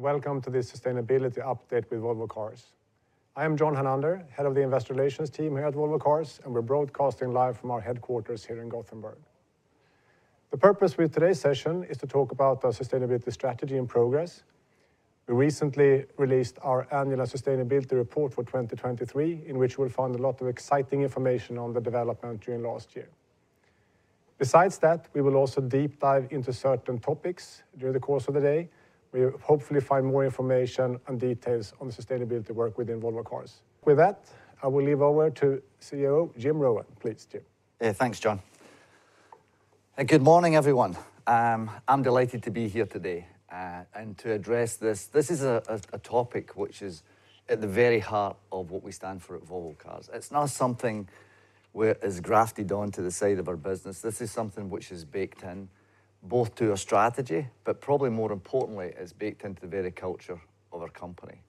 Welcome to this sustainability update with Volvo Cars. I am John Hernander, head of the Investor Relations team here at Volvo Cars, and we're broadcasting live from our headquarters here in Gothenburg. The purpose with today's session is to talk about our sustainability strategy and progress. We recently released our annual sustainability report for 2023, in which you will find a lot of exciting information on the development during last year. Besides that, we will also deep dive into certain topics during the course of the day, where you will hopefully find more information and details on the sustainability work within Volvo Cars. With that, I will leave over to CEO, Jim Rowan. Please, Jim. Yeah. Thanks, John. Good morning, everyone. I'm delighted to be here today and to address this. This is a topic which is at the very heart of what we stand for at Volvo Cars. It's not something where it's grafted onto the side of our business. This is something which is baked in, both to our strategy, but probably more importantly, it's baked into the very culture of our company.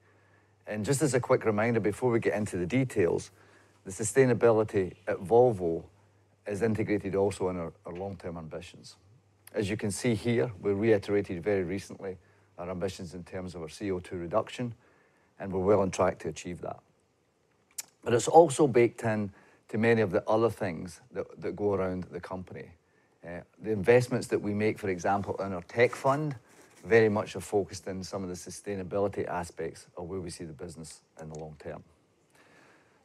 Just as a quick reminder before we get into the details, the sustainability at Volvo is integrated also in our long-term ambitions. As you can see here, we reiterated very recently our ambitions in terms of our CO2 reduction, we're well on track to achieve that. It's also baked in to many of the other things that go around the company. The investments that we make, for example, in our tech fund, very much are focused in some of the sustainability aspects of where we see the business in the long term.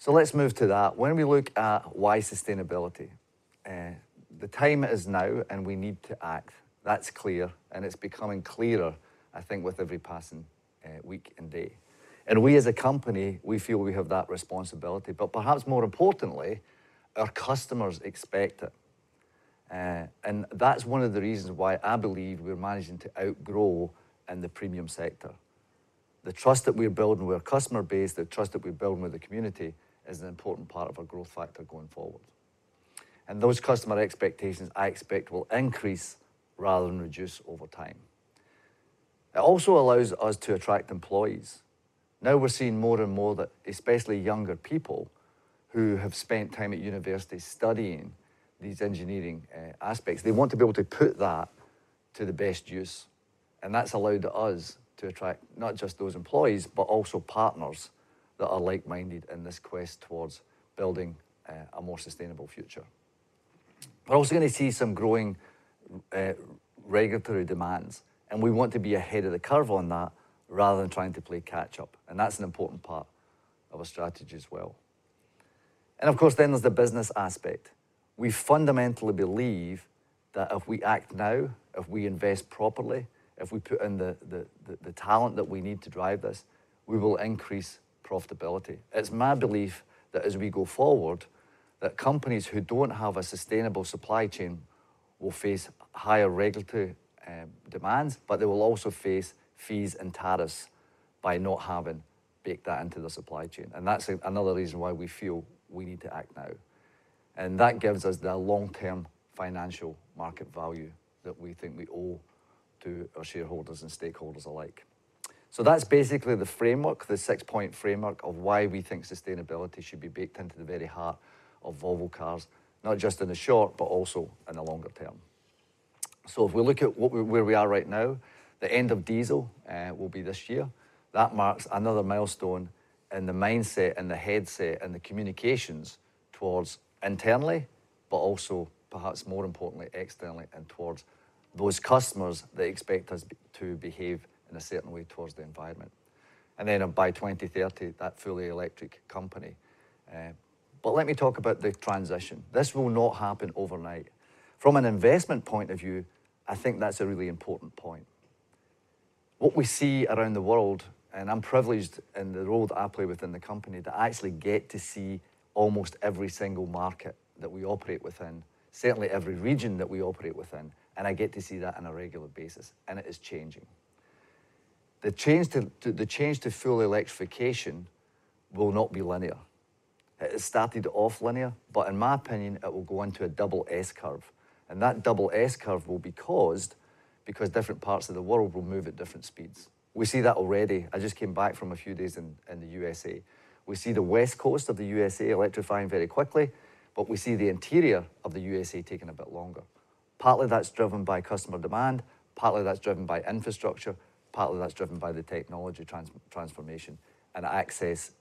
Let's move to that. When we look at why sustainability, the time is now and we need to act. That's clear, and it's becoming clearer, I think, with every passing week and day. We as a company, we feel we have that responsibility. Perhaps more importantly, our customers expect it. That's one of the reasons why I believe we're managing to outgrow in the premium sector. The trust that we're building with our customer base, the trust that we're building with the community, is an important part of our growth factor going forward. Those customer expectations, I expect, will increase rather than reduce over time. It also allows us to attract employees. Now we're seeing more and more that, especially younger people who have spent time at university studying these engineering aspects, they want to be able to put that to the best use. That's allowed us to attract not just those employees, but also partners that are like-minded in this quest towards building a more sustainable future. We're also going to see some growing regulatory demands, and we want to be ahead of the curve on that rather than trying to play catch up, and that's an important part of our strategy as well. Of course, then there's the business aspect. We fundamentally believe that if we act now, if we invest properly, if we put in the talent that we need to drive this, we will increase profitability. It's my belief that as we go forward, that companies who don't have a sustainable supply chain will face higher regulatory demands, but they will also face fees and tariffs by not having baked that into their supply chain. That's another reason why we feel we need to act now. That gives us the long-term financial market value that we think we owe to our shareholders and stakeholders alike. That's basically the framework, the six-point framework, of why we think sustainability should be baked into the very heart of Volvo Cars, not just in the short but also in the longer term. If we look at where we are right now, the end of diesel will be this year. That marks another milestone in the mindset and the headset and the communications towards internally, but also perhaps more importantly, externally and towards those customers that expect us to behave in a certain way towards the environment. Then by 2030, that fully electric company. Let me talk about the transition. This will not happen overnight. From an investment point of view, I think that's a really important point. What we see around the world, I'm privileged in the role that I play within the company to actually get to see almost every single market that we operate within, certainly every region that we operate within, I get to see that on a regular basis, It is changing. The change to full electrification will not be linear. It has started off linear, but in my opinion, it will go into a double S curve, and that double S curve will be caused because different parts of the world will move at different speeds. We see that already. I just came back from a few days in the U.S.A We see the West Coast of the U.S.A electrifying very quickly, but we see the interior of the U.S.A taking a bit longer. Partly that's driven by customer demand, partly that's driven by infrastructure, partly that's driven by the technology transformation and access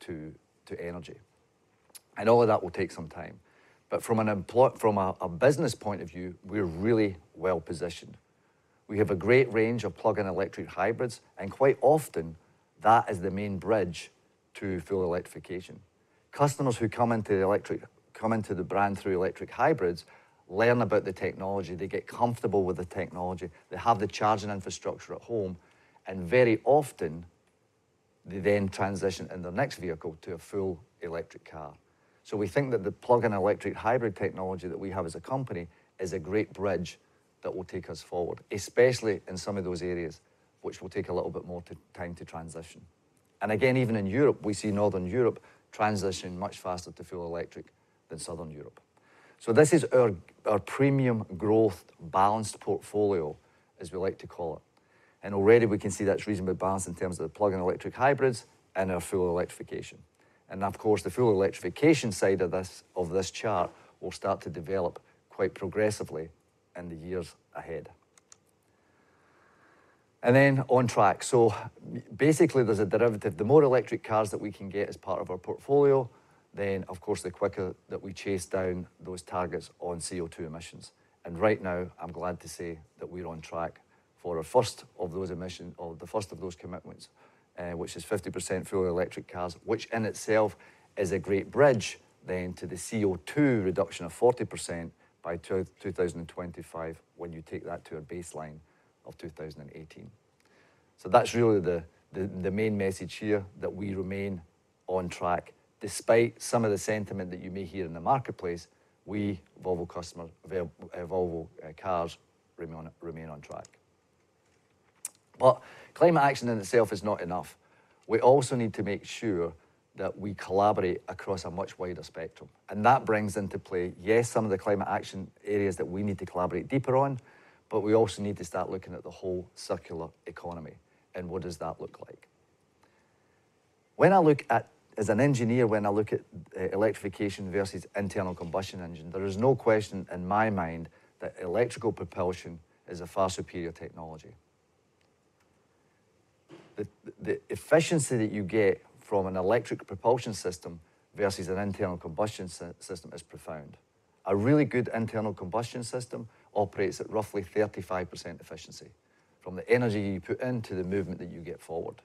to energy. All of that will take some time. From a business point of view, we're really well-positioned. We have a great range of plug-in electric hybrids, and quite often, that is the main bridge to full electrification. Customers who come into the brand through electric hybrids learn about the technology. They get comfortable with the technology. They have the charging infrastructure at home. Very often, they then transition in their next vehicle to a full electric car. We think that the plug-in electric hybrid technology that we have as a company is a great bridge that will take us forward, especially in some of those areas which will take a little bit more time to transition. Again, even in Europe, we see Northern Europe transitioning much faster to full electric than Southern Europe. This is our premium growth balanced portfolio, as we like to call it. Already, we can see that's reasonably balanced in terms of the plug-in electric hybrids and our full electrification. Of course, the full electrification side of this chart will start to develop quite progressively in the years ahead. On track. Basically, there's a derivative. The more electric cars that we can get as part of our portfolio, then of course, the quicker that we chase down those targets on CO2 emissions. Right now, I'm glad to say that we're on track for the first of those commitments, which is 50% full electric cars, which in itself is a great bridge then to the CO2 reduction of 40% by 2025 when you take that to a baseline of 2018. That's really the main message here, that we remain on track. Despite some of the sentiment that you may hear in the marketplace, we, Volvo Cars, remain on track. Climate action in itself is not enough. We also need to make sure that we collaborate across a much wider spectrum. That brings into play, yes, some of the climate action areas that we need to collaborate deeper on, but we also need to start looking at the whole circular economy and what does that look like. As an engineer, when I look at electrification versus internal combustion engine, there is no question in my mind that electrical propulsion is a far superior technology. The efficiency that you get from an electric propulsion system versus an internal combustion system is profound. A really good internal combustion system operates at roughly 35% efficiency from the energy you put in to the movement that you get forward.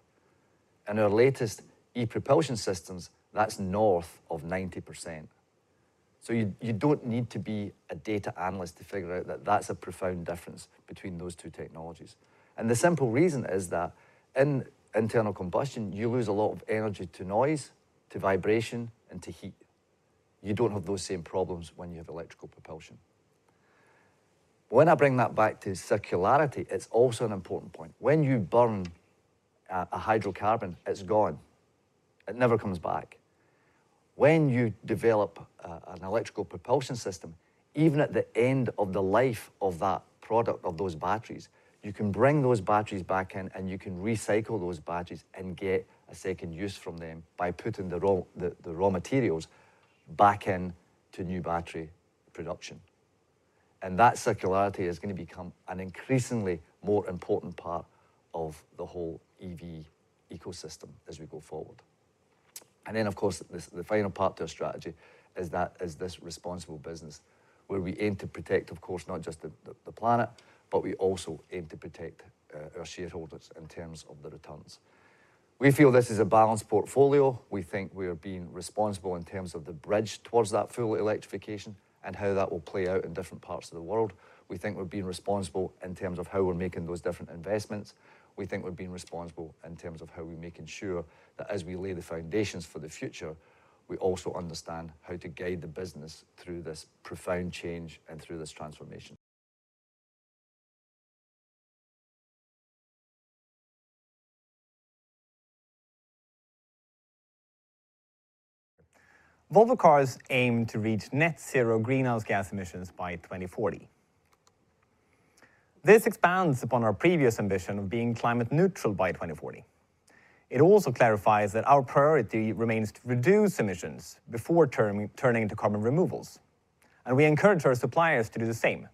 In our latest e-propulsion systems, that's north of 90%. You don't need to be a data analyst to figure out that that's a profound difference between those two technologies. The simple reason is that in internal combustion, you lose a lot of energy to noise, to vibration, and to heat. You don't have those same problems when you have electrical propulsion. When I bring that back to circularity, it's also an important point. When you burn a hydrocarbon, it's gone. It never comes back. When you develop an electrical propulsion system, even at the end of the life of that product, of those batteries, you can bring those batteries back in and you can recycle those batteries and get a second use from them by putting the raw materials back in to new battery production. That circularity is going to become an increasingly more important part of the whole EV ecosystem as we go forward. Of course, the final part to our strategy is this responsible business where we aim to protect, of course, not just the planet, but we also aim to protect our shareholders in terms of the returns. We feel this is a balanced portfolio. We think we are being responsible in terms of the bridge towards that full electrification and how that will play out in different parts of the world. We think we are being responsible in terms of how we are making those different investments. We think we are being responsible in terms of how we are making sure that as we lay the foundations for the future, we also understand how to guide the business through this profound change and through this transformation. Volvo Cars aim to reach net zero greenhouse gas emissions by 2040. This expands upon our previous ambition of being climate neutral by 2040. It also clarifies that our priority remains to reduce emissions before turning to carbon removals. We encourage our suppliers to do the same.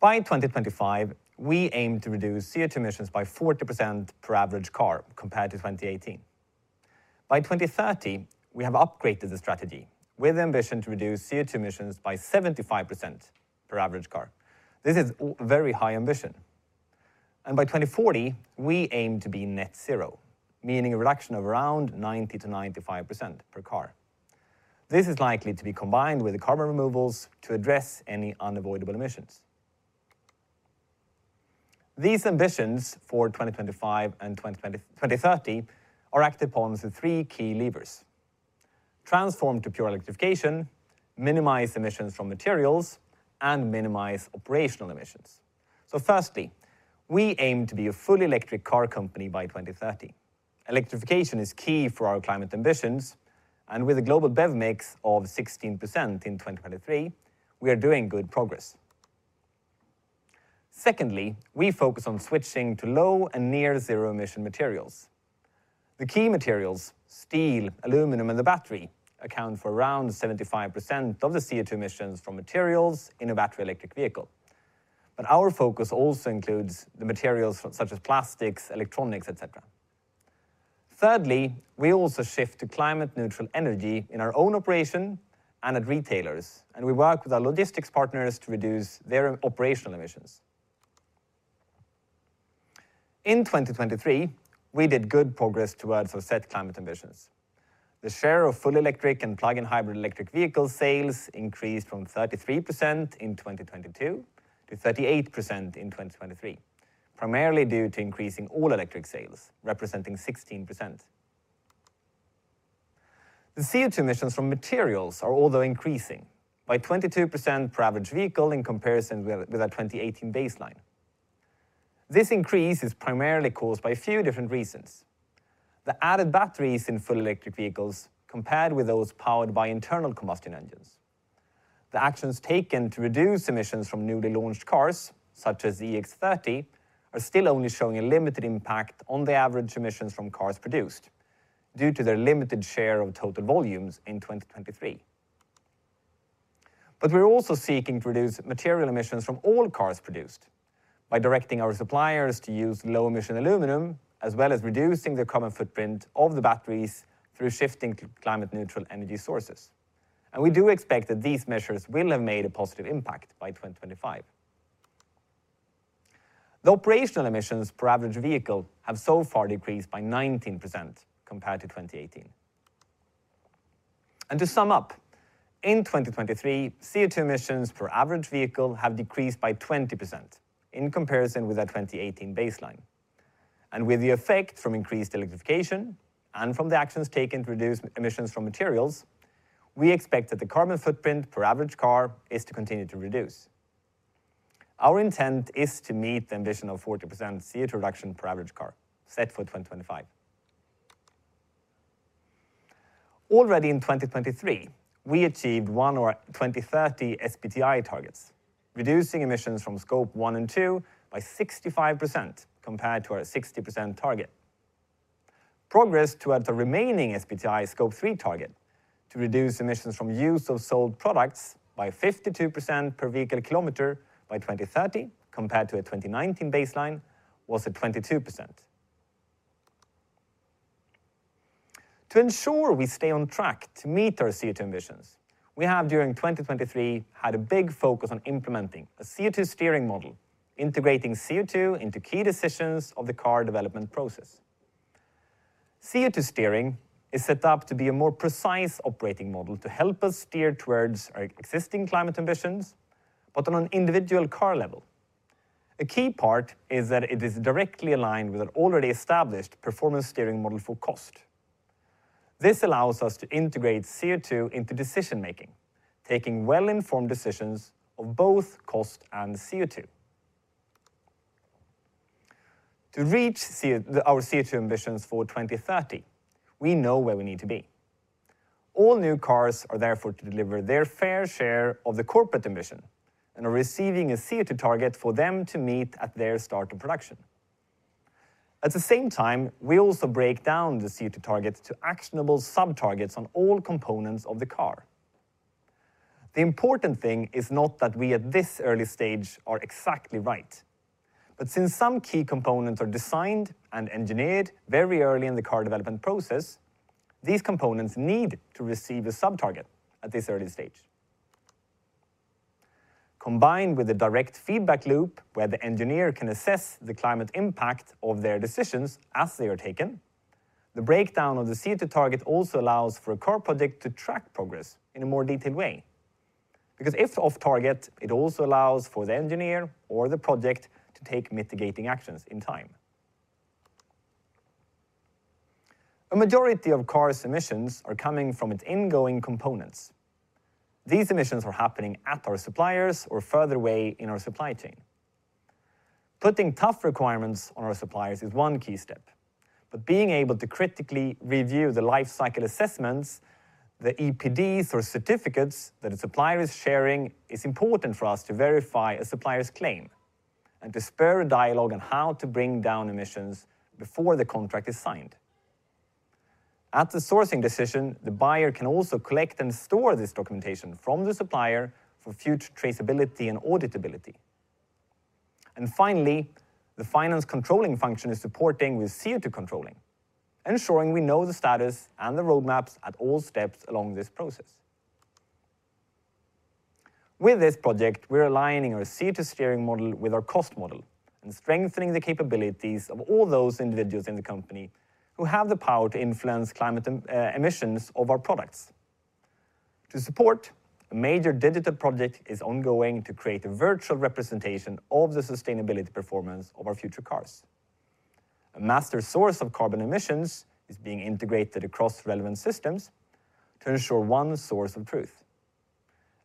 By 2025, we aim to reduce CO2 emissions by 40% per average car compared to 2018. By 2030, we have upgraded the strategy with the ambition to reduce CO2 emissions by 75% per average car. This is very high ambition. By 2040, we aim to be net zero, meaning a reduction of around 90%-95% per car. This is likely to be combined with the carbon removals to address any unavoidable emissions. These ambitions for 2025 and 2030 are acted upon as the three key levers. Transform to pure electrification, minimize emissions from materials, and minimize operational emissions. Firstly, we aim to be a fully electric car company by 2030. Electrification is key for our climate ambitions, and with a global BEV mix of 16% in 2023, we are doing good progress. Secondly, we focus on switching to low and near zero-emission materials. The key materials, steel, aluminum, and the battery, account for around 75% of the CO2 emissions from materials in a battery electric vehicle. Our focus also includes the materials such as plastics, electronics, et cetera. Thirdly, we also shift to climate neutral energy in our own operation and at retailers, and we work with our logistics partners to reduce their operational emissions. In 2023, we did good progress towards our set climate ambitions. The share of fully electric and plug-in hybrid electric vehicle sales increased from 33% in 2022 to 38% in 2023, primarily due to increasing all-electric sales, representing 16%. The CO2 emissions from materials are although increasing by 22% per average vehicle in comparison with our 2018 baseline. This increase is primarily caused by a few different reasons. The added batteries in fully electric vehicles compared with those powered by internal combustion engines. The actions taken to reduce emissions from newly launched cars, such as EX30, are still only showing a limited impact on the average emissions from cars produced due to their limited share of total volumes in 2023. We're also seeking to reduce material emissions from all cars produced by directing our suppliers to use low-emission aluminum, as well as reducing the carbon footprint of the batteries through shifting to climate-neutral energy sources. We do expect that these measures will have made a positive impact by 2025. The operational emissions per average vehicle have so far decreased by 19% compared to 2018. To sum up, in 2023, CO2 emissions per average vehicle have decreased by 20% in comparison with our 2018 baseline. With the effect from increased electrification and from the actions taken to reduce emissions from materials, we expect that the carbon footprint per average car is to continue to reduce. Our intent is to meet the ambition of 40% CO2 reduction per average car set for 2025. Already in 2023, we achieved one of our 2030 SBTi targets, reducing emissions from Scope one and two by 65% compared to our 60% target. Progress towards the remaining SBTi Scope three target to reduce emissions from use of sold products by 52% per vehicle kilometer by 2030 compared to a 2019 baseline was at 22%. To ensure we stay on track to meet our CO2 emissions, we have during 2023 had a big focus on implementing a CO2 steering model, integrating CO2 into key decisions of the car development process. CO2 steering is set up to be a more precise operating model to help us steer towards our existing climate ambitions, but on an individual car level. A key part is that it is directly aligned with an already established performance steering model for cost. This allows us to integrate CO2 into decision-making, taking well-informed decisions of both cost and CO2. To reach our CO2 ambitions for 2030, we know where we need to be. All new cars are therefore to deliver their fair share of the corporate emission and are receiving a CO2 target for them to meet at their start of production. At the same time, we also break down the CO2 target to actionable sub-targets on all components of the car. The important thing is not that we at this early stage are exactly right, but since some key components are designed and engineered very early in the car development process, these components need to receive a sub-target at this early stage. Combined with a direct feedback loop where the engineer can assess the climate impact of their decisions as they are taken, the breakdown of the CO2 target also allows for a car project to track progress in a more detailed way. Because if off-target, it also allows for the engineer or the project to take mitigating actions in time. A majority of cars' emissions are coming from its ingoing components. These emissions are happening at our suppliers or further away in our supply chain. Putting tough requirements on our suppliers is one key step, but being able to critically review the life cycle assessments, the EPDs or certificates that a supplier is sharing is important for us to verify a supplier's claim and to spur a dialogue on how to bring down emissions before the contract is signed. At the sourcing decision, the buyer can also collect and store this documentation from the supplier for future traceability and auditability. Finally, the finance controlling function is supporting with CO2 controlling, ensuring we know the status and the roadmaps at all steps along this process. With this project, we're aligning our CO2 steering model with our cost model and strengthening the capabilities of all those individuals in the company who have the power to influence climate emissions of our products. To support, a major digital project is ongoing to create a virtual representation of the sustainability performance of our future cars. A master source of carbon emissions is being integrated across relevant systems to ensure one source of truth.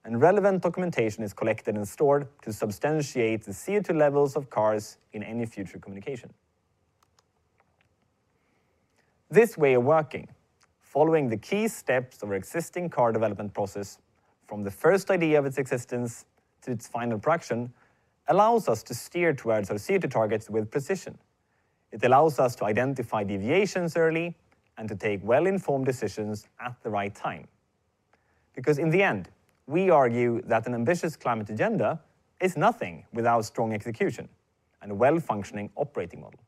Relevant documentation is collected and stored to substantiate the CO2 levels of cars in any future communication. This way of working, following the key steps of our existing car development process from the first idea of its existence to its final production, allows us to steer towards our CO2 targets with precision. It allows us to identify deviations early and to take well-informed decisions at the right time. Because in the end, we argue that an ambitious climate agenda is nothing without strong execution and a well-functioning operating model.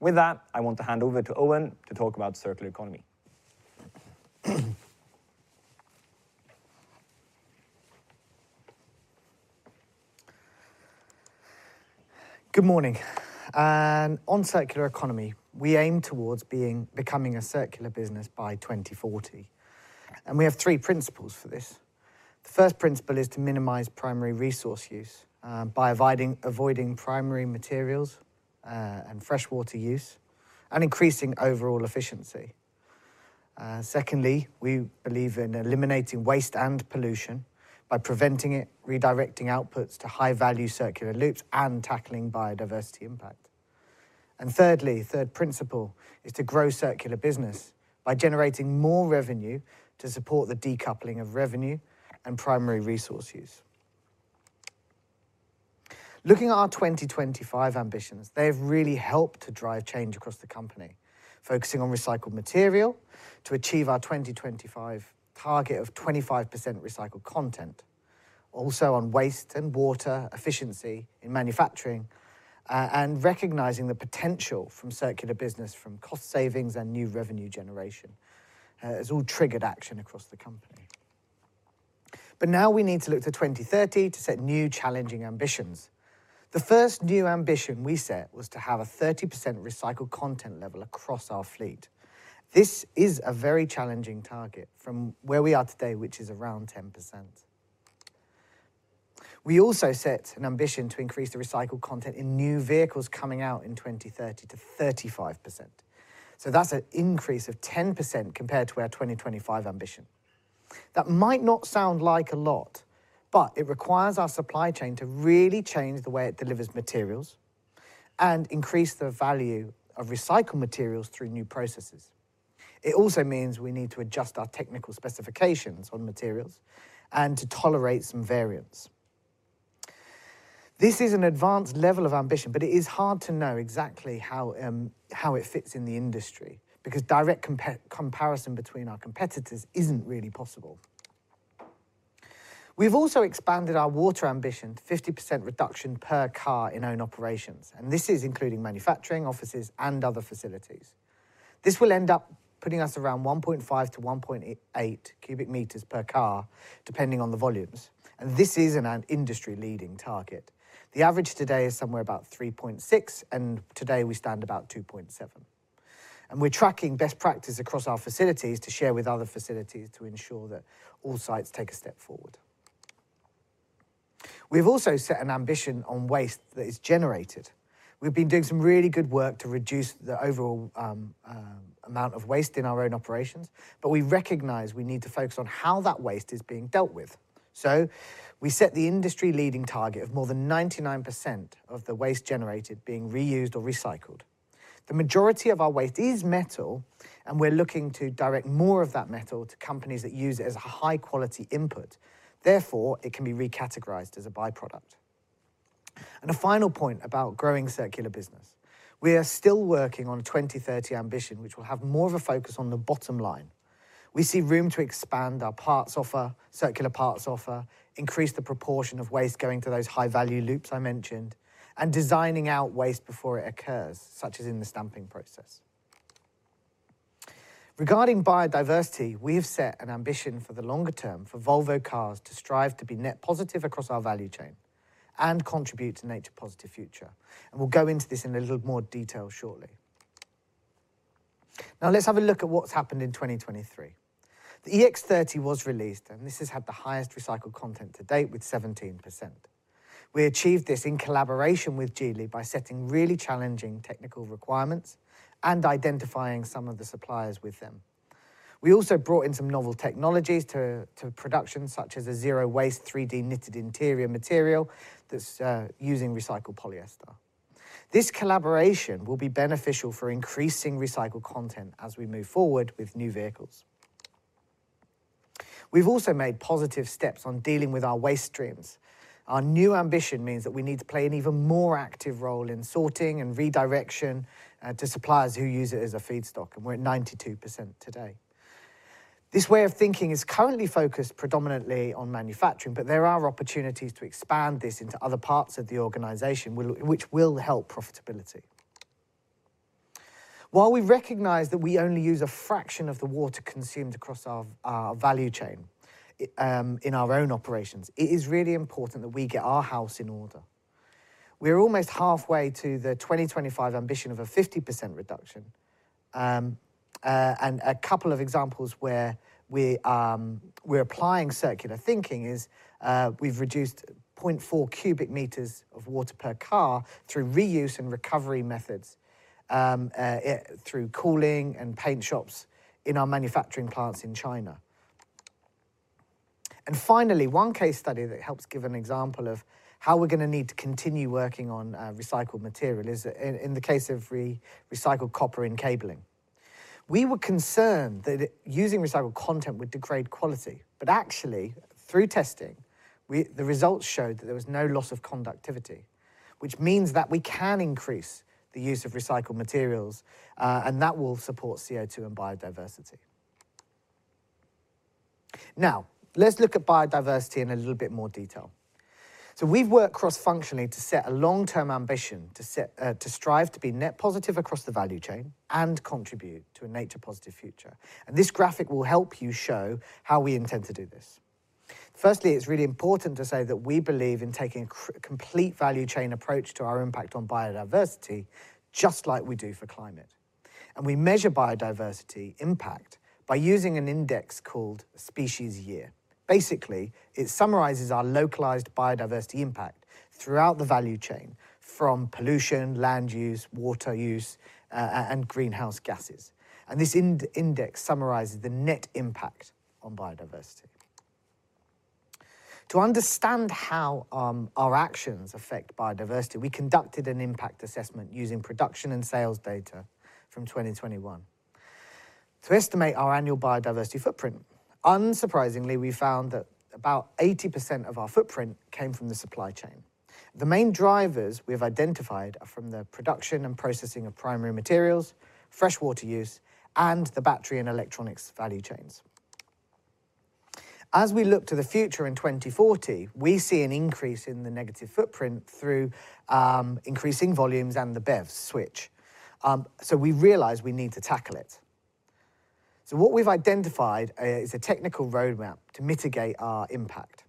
With that, I want to hand over to Owen to talk about circular economy. Good morning. On circular economy, we aim towards becoming a circular business by 2040. We have three principles for this. The first principle is to minimize primary resource use by avoiding primary materials and freshwater use and increasing overall efficiency. Secondly, we believe in eliminating waste and pollution by preventing it, redirecting outputs to high-value circular loops, and tackling biodiversity impact. Thirdly, the third principle is to grow circular business by generating more revenue to support the decoupling of revenue and primary resource use. Looking at our 2025 ambitions, they have really helped to drive change across the company. Focusing on recycled material to achieve our 2025 target of 25% recycled content. Also, on waste and water efficiency in manufacturing, and recognizing the potential from circular business from cost savings and new revenue generation. It's all triggered action across the company. Now we need to look to 2030 to set new challenging ambitions. The first new ambition we set was to have a 30% recycled content level across our fleet. This is a very challenging target from where we are today, which is around 10%. We also set an ambition to increase the recycled content in new vehicles coming out in 2030 to 35%. That's an increase of 10% compared to our 2025 ambition. That might not sound like a lot, but it requires our supply chain to really change the way it delivers materials and increase the value of recycled materials through new processes. It also means we need to adjust our technical specifications on materials and to tolerate some variance. This is an advanced level of ambition, but it is hard to know exactly how it fits in the industry, because direct comparison between our competitors isn't really possible. We've also expanded our water ambition to 50% reduction per car in own operations, and this is including manufacturing, offices, and other facilities. This will end up putting us around 1.5 cubic meters-1.8 cubic meters per car, depending on the volumes. This is an industry-leading target. The average today is somewhere about 3.6 cubic meters, and today we stand about 2.7 cubic meters. We're tracking best practice across our facilities to share with other facilities to ensure that all sites take a step forward. We've also set an ambition on waste that is generated. We've been doing some really good work to reduce the overall amount of waste in our own operations, but we recognize we need to focus on how that waste is being dealt with. We set the industry-leading target of more than 99% of the waste generated being reused or recycled. The majority of our waste is metal, and we're looking to direct more of that metal to companies that use it as a high-quality input. Therefore, it can be recategorized as a byproduct. A final point about growing circular business. We are still working on a 2030 ambition, which will have more of a focus on the bottom line. We see room to expand our circular parts offer, increase the proportion of waste going to those high-value loops I mentioned, and designing out waste before it occurs, such as in the stamping process. Regarding biodiversity, we have set an ambition for the longer term for Volvo Cars to strive to be net positive across our value chain and contribute to nature-positive future. We'll go into this in a little more detail shortly. Now let's have a look at what's happened in 2023. The EX30 was released, and this has had the highest recycled content to date with 17%. We achieved this in collaboration with Geely by setting really challenging technical requirements and identifying some of the suppliers with them. We also brought in some novel technologies to production, such as a zero-waste 3D-knitted interior material that's using recycled polyester. This collaboration will be beneficial for increasing recycled content as we move forward with new vehicles. We've also made positive steps on dealing with our waste streams. Our new ambition means that we need to play an even more active role in sorting and redirection to suppliers who use it as a feedstock, and we're at 92% today. This way of thinking is currently focused predominantly on manufacturing, but there are opportunities to expand this into other parts of the organization, which will help profitability. While we recognize that we only use a fraction of the water consumed across our value chain in our own operations, it is really important that we get our house in order. We're almost halfway to the 2025 ambition of a 50% reduction. A couple of examples where we're applying circular thinking is, we've reduced 0.4 cubic meters of water per car through reuse and recovery methods through cooling and paint shops in our manufacturing plants in China. Finally, one case study that helps give an example of how we're going to need to continue working on recycled material is in the case of recycled copper in cabling. We were concerned that using recycled content would degrade quality. Actually, through testing, the results showed that there was no loss of conductivity. Which means that we can increase the use of recycled materials, and that will support CO2 and biodiversity. Now, let's look at biodiversity in a little bit more detail. We've worked cross-functionally to set a long-term ambition to strive to be net positive across the value chain and contribute to a nature-positive future. This graphic will help you show how we intend to do this. Firstly, it's really important to say that we believe in taking a complete value chain approach to our impact on biodiversity, just like we do for climate. We measure biodiversity impact by using an index called Species Year. Basically, it summarizes our localized biodiversity impact throughout the value chain, from pollution, land use, water use, and greenhouse gases. This index summarizes the net impact on biodiversity. To understand how our actions affect biodiversity, we conducted an impact assessment using production and sales data from 2021 to estimate our annual biodiversity footprint. Unsurprisingly, we found that about 80% of our footprint came from the supply chain. The main drivers we have identified are from the production and processing of primary materials, freshwater use, and the battery and electronics value chains. As we look to the future in 2040, we see an increase in the negative footprint through increasing volumes and the BEVs switch. We realize we need to tackle it. What we've identified is a technical roadmap to mitigate our impact.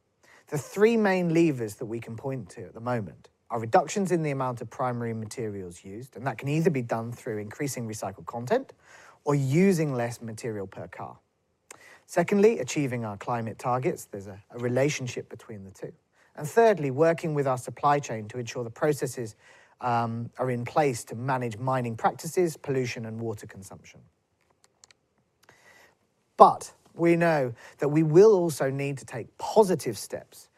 The three main levers that we can point to at the moment are reductions in the amount of primary materials used, and that can either be done through increasing recycled content or using less material per car. Secondly, achieving our climate targets. There's a relationship between the two. Thirdly, working with our supply chain to ensure the processes are in place to manage mining practices, pollution, and water consumption. We know that we will also need to take positive steps,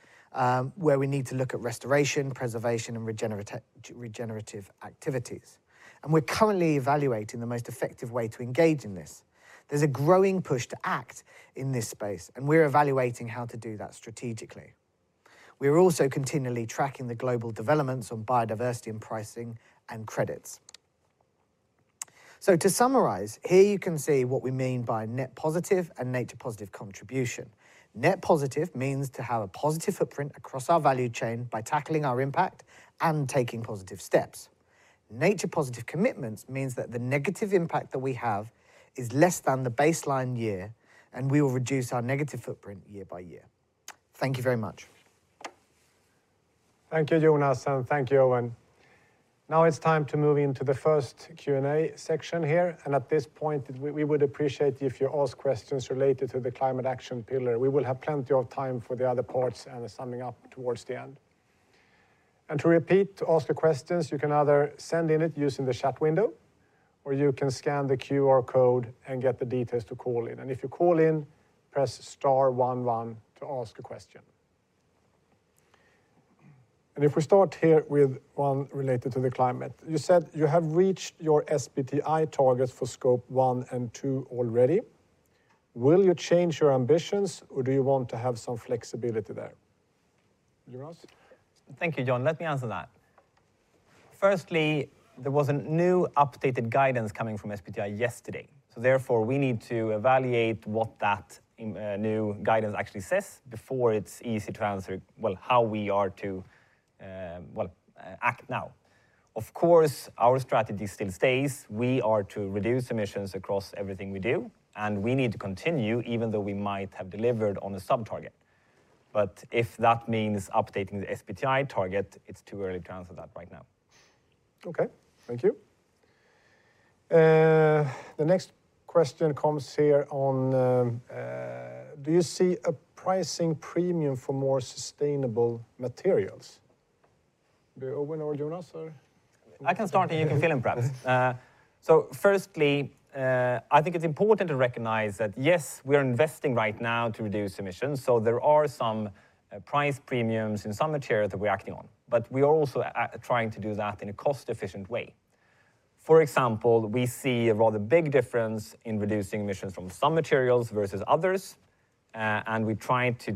where we need to look at restoration, preservation, and regenerative activities. We're currently evaluating the most effective way to engage in this. There's a growing push to act in this space, and we're evaluating how to do that strategically. We're also continually tracking the global developments on biodiversity and pricing and credits. To summarize, here you can see what we mean by net positive and nature positive contribution. Net positive means to have a positive footprint across our value chain by tackling our impact and taking positive steps. Nature positive commitments means that the negative impact that we have is less than the baseline year, and we will reduce our negative footprint year by year. Thank you very much. Thank you, Jonas, and thank you, Owen. Now it's time to move into the first Q&A section here. At this point, we would appreciate if you ask questions related to the Climate Action Pillar. We will have plenty of time for the other parts and the summing up towards the end. To repeat, to ask a question, you can either send in it using the chat window, or you can scan the QR code and get the details to call in. If you call in, press star one one to ask a question. If we start here with one related to the climate. You said you have reached your SBTi targets for scope one and two already. Will you change your ambitions or do you want to have some flexibility there? Jonas? Thank you, John. Let me answer that. Firstly, there was a new updated guidance coming from SBTi yesterday. Therefore, we need to evaluate what that new guidance actually says before it's easy to answer, well, how we are to act now. Of course, our strategy still stays. We are to reduce emissions across everything we do, and we need to continue even though we might have delivered on a sub-target. If that means updating the SBTi target, it's too early to answer that right now. Okay. Thank you. The next question comes here on, do you see a pricing premium for more sustainable materials? Owen or Jonas? I can start, and you can fill in perhaps. Firstly, I think it's important to recognize that, yes, we are investing right now to reduce emissions. There are some price premiums in some materials that we are acting on. We are also trying to do that in a cost-efficient way. For example, we see a rather big difference in reducing emissions from some materials versus others, and we try to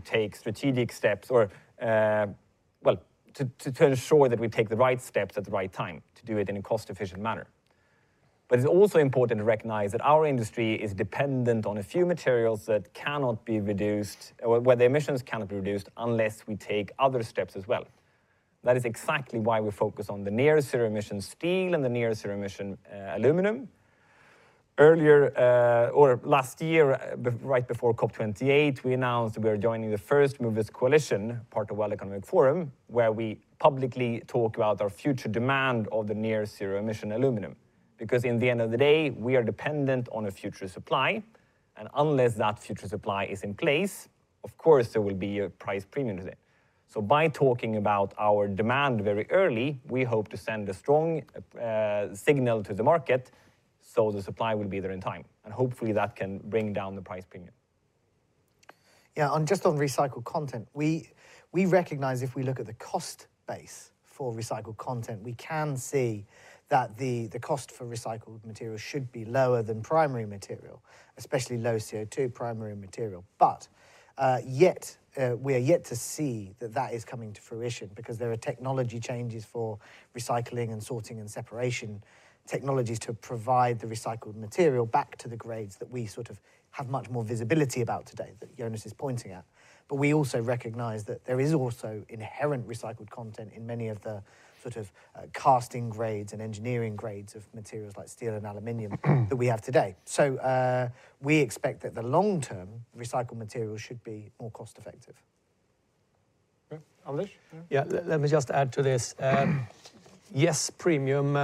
ensure that we take the right steps at the right time to do it in a cost-efficient manner. It's also important to recognize that our industry is dependent on a few materials where the emissions cannot be reduced unless we take other steps as well. That is exactly why we focus on the near zero-emission steel and the near zero-emission aluminum. Last year, right before COP 28, we announced we are joining the First Movers Coalition, part of World Economic Forum, where we publicly talk about our future demand of the near zero-emission aluminum. Because in the end of the day, we are dependent on a future supply, and unless that future supply is in place, of course, there will be a price premium to that. By talking about our demand very early, we hope to send a strong signal to the market so the supply will be there in time, and hopefully, that can bring down the price premium. Yeah, just on recycled content. We recognize if we look at the cost base for recycled content, we can see that the cost for recycled materials should be lower than primary material, especially low CO2 primary material. We are yet to see that that is coming to fruition because there are technology changes for recycling and sorting and separation technologies to provide the recycled material back to the grades that we sort of have much more visibility about today, that Jonas is pointing at. We also recognize that there is also inherent recycled content in many of the sort of casting grades and engineering grades of materials like steel and aluminum that we have today. We expect that the long-term recycled material should be more cost-effective. Okay. Anders? Yeah. Let me just add to this. Yes, premium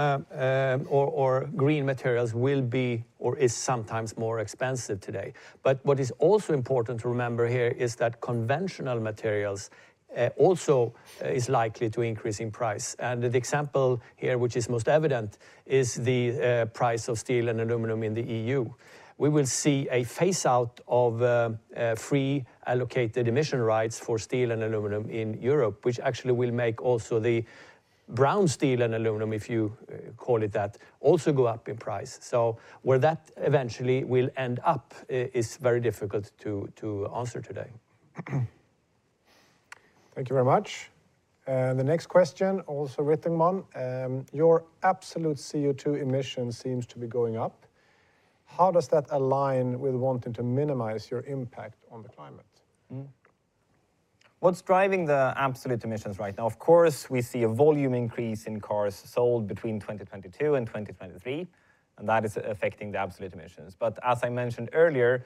or green materials will be, or is sometimes more expensive today. What is also important to remember here is that conventional materials also is likely to increase in price. The example here, which is most evident, is the price of steel and aluminum in the EU. We will see a phase out of free allocated emission rights for steel and aluminum in Europe, which actually will make also the brown steel and aluminum, if you call it that, also go up in price. Where that eventually will end up is very difficult to answer today. Thank you very much. The next question, also with. Your absolute CO2 emissions seems to be going up. How does that align with wanting to minimize your impact on the climate? What's driving the absolute emissions right now? We see a volume increase in cars sold between 2022 and 2023, and that is affecting the absolute emissions. As I mentioned earlier,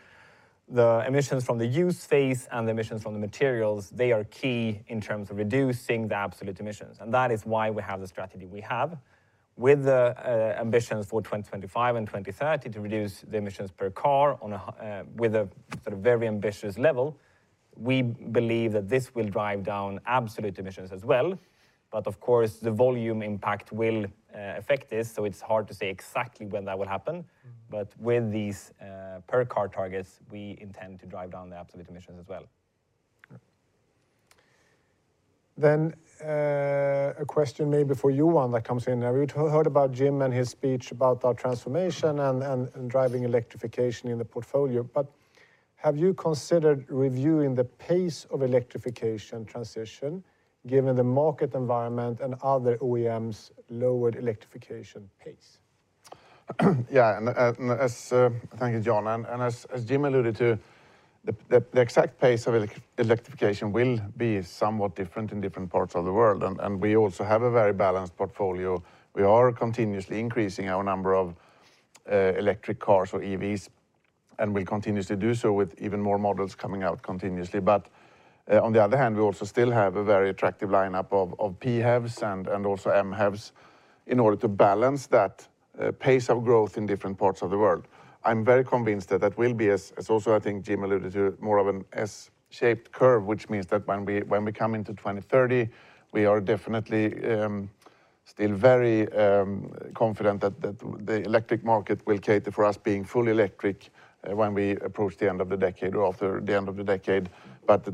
the emissions from the use phase and the emissions from the materials, they are key in terms of reducing the absolute emissions. That is why we have the strategy we have with the ambitions for 2025 and 2030 to reduce the emissions per car with a very ambitious level. We believe that this will drive down absolute emissions as well. Of course, the volume impact will affect this, so it's hard to say exactly when that will happen. With these per-car targets, we intend to drive down the absolute emissions as well. Okay. A question maybe for Johan that comes in. We heard about Jim and his speech about our transformation and driving electrification in the portfolio. Have you considered reviewing the pace of electrification transition given the market environment and other OEMs' lowered electrification pace? Yeah. Thank you, John. As Jim alluded to, the exact pace of electrification will be somewhat different in different parts of the world. We also have a very balanced portfolio. We are continuously increasing our number of electric cars or EVs, and will continuously do so with even more models coming out continuously. On the other hand, we also still have a very attractive lineup of PHEVs and also MHEVs in order to balance that pace of growth in different parts of the world. I'm very convinced that that will be, as also I think Jim alluded to, more of an S-shaped curve. Which means that when we come into 2030, we are definitely still very confident that the electric market will cater for us being fully electric when we approach the end of the decade or after the end of the decade.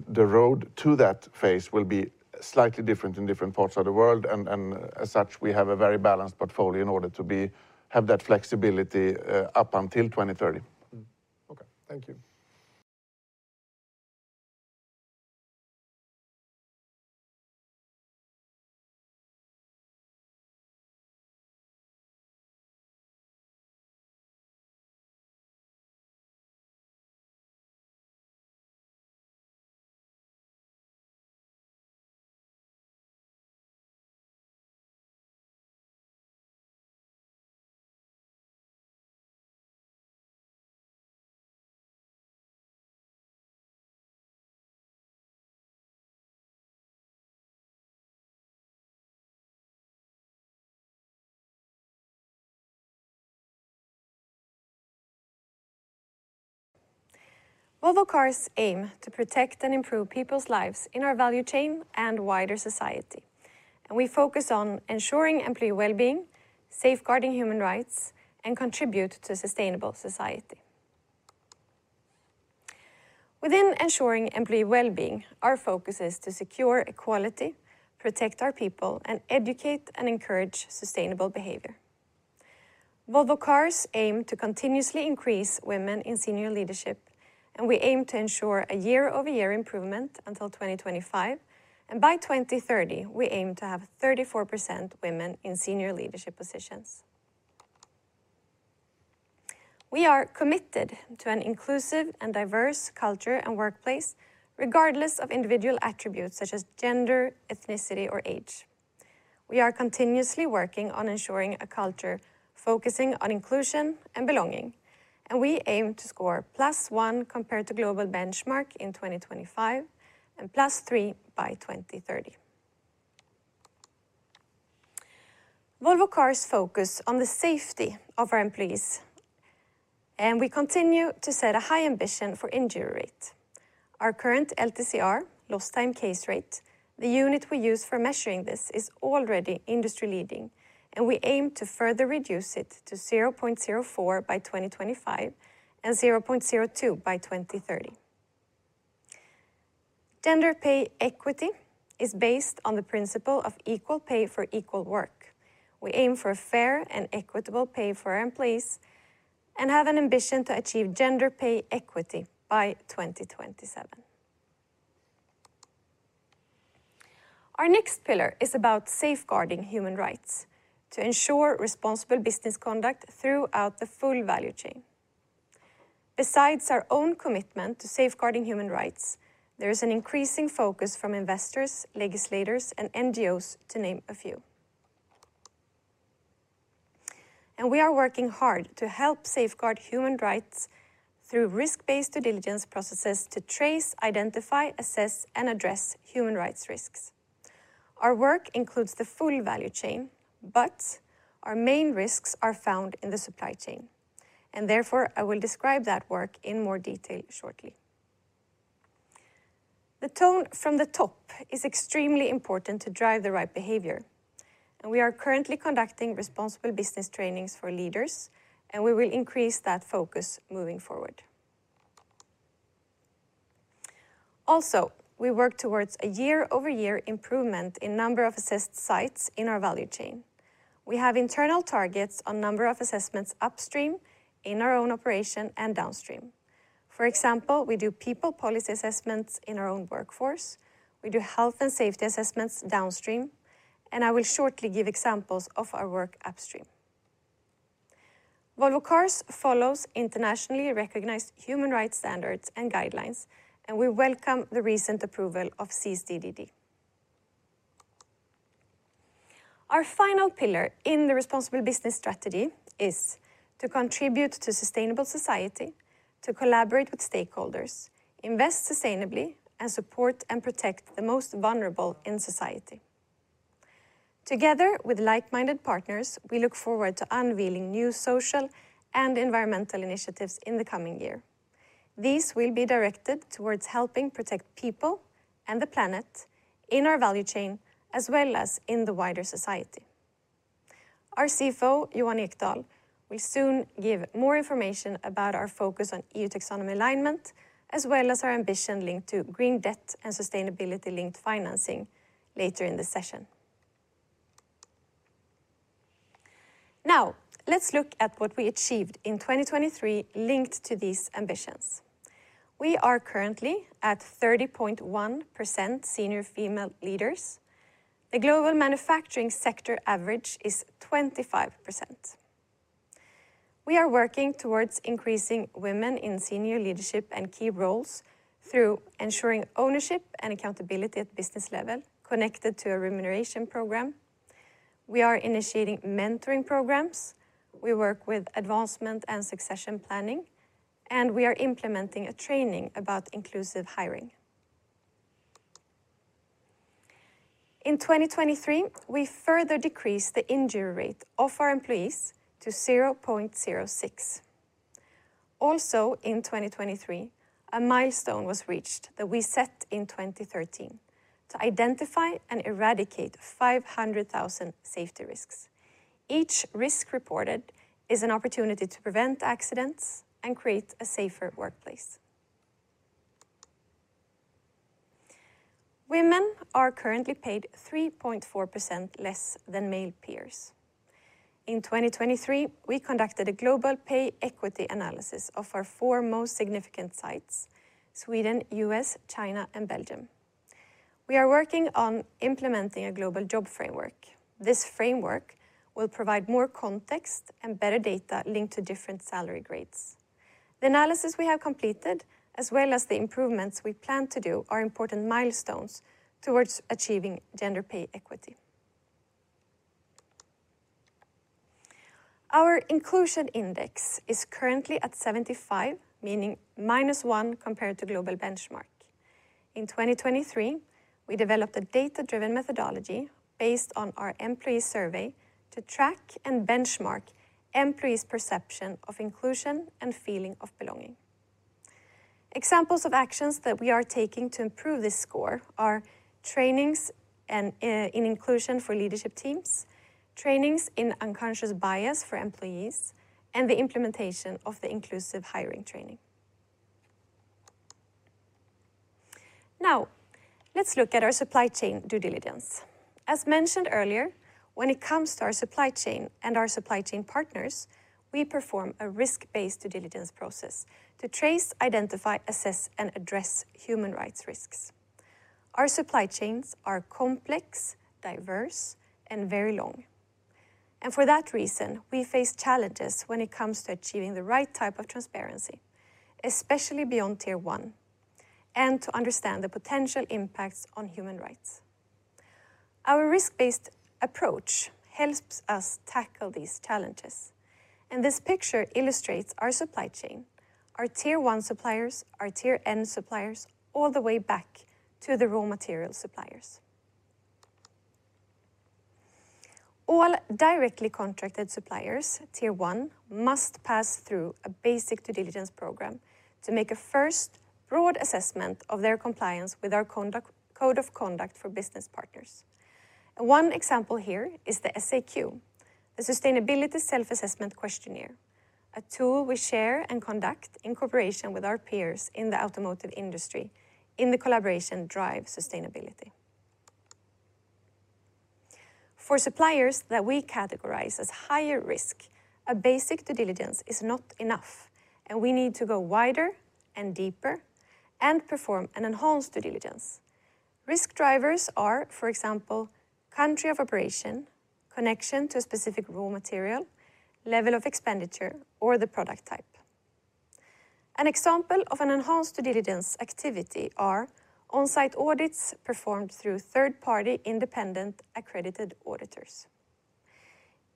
The road to that phase will be slightly different in different parts of the world. As such, we have a very balanced portfolio in order to have that flexibility up until 2030. Okay. Thank you. Volvo Cars aim to protect and improve people's lives in our value chain and wider society. We focus on ensuring employee wellbeing, safeguarding human rights, and contribute to sustainable society. Within ensuring employee wellbeing, our focus is to secure equality, protect our people, and educate and encourage sustainable behavior. Volvo Cars aim to continuously increase women in senior leadership, we aim to ensure a year-over-year improvement until 2025. By 2030, we aim to have 34% women in senior leadership positions. We are committed to an inclusive and diverse culture and workplace, regardless of individual attributes such as gender, ethnicity, or age. We are continuously working on ensuring a culture focusing on inclusion and belonging, we aim to score plus one compared to global benchmark in 2025 and plus three by 2030. Volvo Cars focus on the safety of our employees, and we continue to set a high ambition for injury rate. Our current LTCR, lost time case rate, the unit we use for measuring this, is already industry-leading, and we aim to further reduce it to 0.04 by 2025 and 0.02 by 2030. Gender pay equity is based on the principle of equal pay for equal work. We aim for a fair and equitable pay for our employees and have an ambition to achieve gender pay equity by 2027. Our next pillar is about safeguarding human rights to ensure responsible business conduct throughout the full value chain. Besides our own commitment to safeguarding human rights, there is an increasing focus from investors, legislators, and NGOs, to name a few. We are working hard to help safeguard human rights through risk-based due diligence processes to trace, identify, assess, and address human rights risks. Our work includes the full value chain, but our main risks are found in the supply chain, and therefore, I will describe that work in more detail shortly. The tone from the top is extremely important to drive the right behavior, and we are currently conducting responsible business trainings for leaders, and we will increase that focus moving forward. We work towards a year-over-year improvement in number of assessed sites in our value chain. We have internal targets on number of assessments upstream, in our own operation, and downstream. For example, we do people policy assessments in our own workforce, we do health and safety assessments downstream, and I will shortly give examples of our work upstream. Volvo Cars follows internationally recognized human rights standards and guidelines, and we welcome the recent approval of CSDDD. Our final pillar in the responsible business strategy is to contribute to sustainable society, to collaborate with stakeholders, invest sustainably, and support and protect the most vulnerable in society. Together with like-minded partners, we look forward to unveiling new social and environmental initiatives in the coming year. These will be directed towards helping protect people and the planet in our value chain, as well as in the wider society. Our CFO, Johan Ekdahl, will soon give more information about our focus on EU Taxonomy alignment, as well as our ambition linked to green debt and sustainability-linked financing later in the session. Now, let's look at what we achieved in 2023 linked to these ambitions. We are currently at 30.1% senior female leaders. The global manufacturing sector average is 25%. We are working towards increasing women in senior leadership and key roles through ensuring ownership and accountability at business level connected to a remuneration program. We are initiating mentoring programs, we work with advancement and succession planning, and we are implementing a training about inclusive hiring. In 2023, we further decreased the injury rate of our employees to 0.06. Also in 2023, a milestone was reached that we set in 2013 to identify and eradicate 500,000 safety risks. Each risk reported is an opportunity to prevent accidents and create a safer workplace. Women are currently paid 3.4% less than male peers. In 2023, we conducted a global pay equity analysis of our four most significant sites, Sweden, U.S., China, and Belgium. We are working on implementing a global job framework. This framework will provide more context and better data linked to different salary grades. The analysis we have completed, as well as the improvements we plan to do, are important milestones towards achieving gender pay equity. Our inclusion index is currently at 75, meaning minus one compared to global benchmark. In 2023, we developed a data-driven methodology based on our employee survey to track and benchmark employees' perception of inclusion and feeling of belonging. Examples of actions that we are taking to improve this score are trainings in inclusion for leadership teams, trainings in unconscious bias for employees, and the implementation of the inclusive hiring training. Now, let's look at our supply chain due diligence. As mentioned earlier, when it comes to our supply chain and our supply chain partners, we perform a risk-based due diligence process to trace, identify, assess, and address human rights risks. Our supply chains are complex, diverse, and very long. For that reason, we face challenges when it comes to achieving the right type of transparency, especially beyond tier one, and to understand the potential impacts on human rights. Our risk-based approach helps us tackle these challenges. This picture illustrates our supply chain, our tier one suppliers, our tier N suppliers, all the way back to the raw material suppliers. All directly contracted suppliers, tier one, must pass through a basic due diligence program to make a first broad assessment of their compliance with our code of conduct for business partners. One example here is the SAQ, the Sustainability Self-Assessment Questionnaire, a tool we share and conduct in cooperation with our peers in the automotive industry in the collaboration Drive Sustainability. For suppliers that we categorize as higher risk, a basic due diligence is not enough, and we need to go wider and deeper and perform an enhanced due diligence. Risk drivers are, for example, country of operation, connection to a specific raw material, level of expenditure, or the product type. An example of an enhanced due diligence activity are on-site audits performed through third-party, independent, accredited auditors.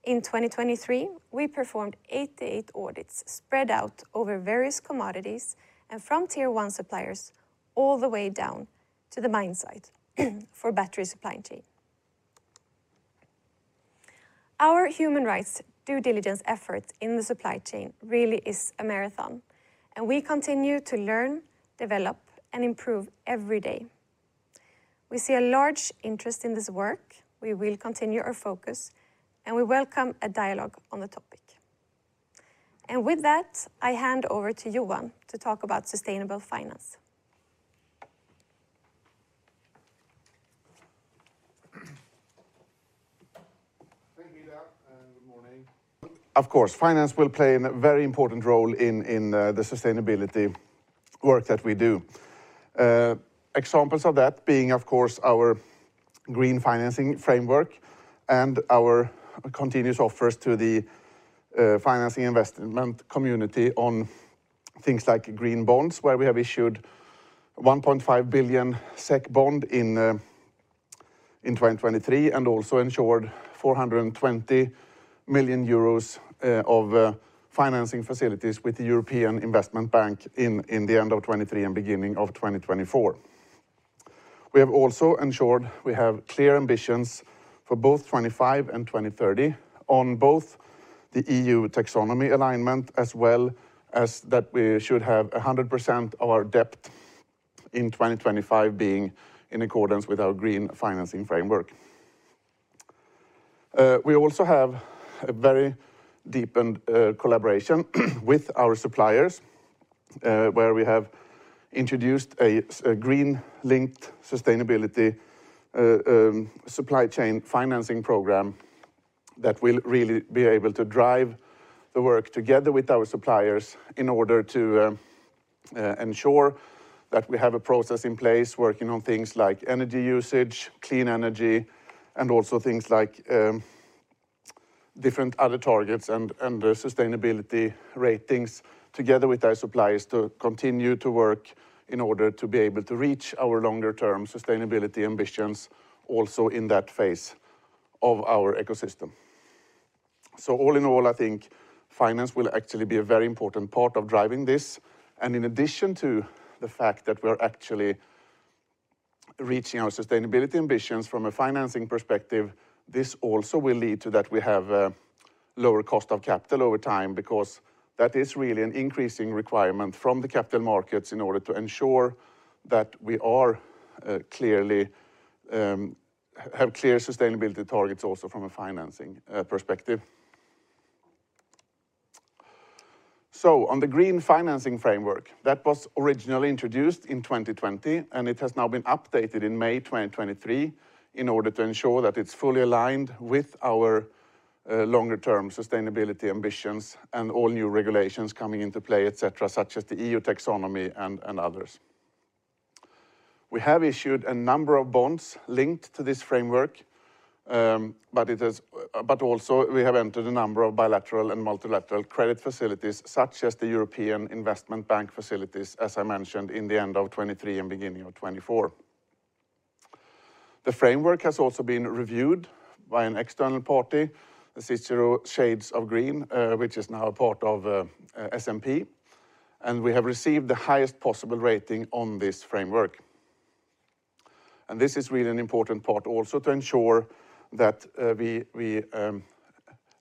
In 2023, we performed 88 audits spread out over various commodities and from tier one suppliers all the way down to the mine site for battery supply chain. Our human rights due diligence efforts in the supply chain really is a marathon, and we continue to learn, develop, and improve every day. We see a large interest in this work. We will continue our focus, and we welcome a dialogue on the topic. With that, I hand over to Johan to talk about sustainable finance. Thank you, Ida, and good morning. Of course, finance will play a very important role in the sustainability work that we do. Examples of that being, of course, our green financing framework and our continuous offers to the financing investment community on things like green bonds, where we have issued 1.5 billion SEK bond in 2023, and also ensured 420 million euros of financing facilities with the European Investment Bank in the end of 2023 and beginning of 2024. We have also ensured we have clear ambitions for both 2025 and 2030 on both the EU taxonomy alignment, as well as that we should have 100% of our debt in 2025 being in accordance with our green financing framework. We also have a very deepened collaboration with our suppliers, where we have introduced a green-linked sustainability supply chain financing program that will really be able to drive the work together with our suppliers in order to ensure that we have a process in place working on things like energy usage, clean energy, and also things like different other targets and sustainability ratings together with our suppliers to continue to work in order to be able to reach our longer term sustainability ambitions also in that phase of our ecosystem. All in all, I think finance will actually be a very important part of driving this, and in addition to the fact that we're actually reaching our sustainability ambitions from a financing perspective, this also will lead to that we have a lower cost of capital over time, because that is really an increasing requirement from the capital markets in order to ensure that we have clear sustainability targets also from a financing perspective. On the green financing framework, that was originally introduced in 2020, and it has now been updated in May 2023 in order to ensure that it's fully aligned with our longer term sustainability ambitions and all new regulations coming into play, et cetera, such as the EU Taxonomy and others. We have issued a number of bonds linked to this framework, but also we have entered a number of bilateral and multilateral credit facilities such as the European Investment Bank facilities, as I mentioned, in the end of 2023 and beginning of 2024. The framework has also been reviewed by an external party, the CICERO Shades of Green, which is now a part of S&P, we have received the highest possible rating on this framework. This is really an important part also to ensure that we